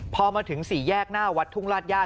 พอมาถึงสี่แยกหน้าวัดทุ่งราชญาติ